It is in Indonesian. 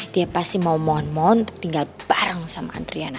dia pasti mau mohon mohon untuk tinggal bareng sama andriana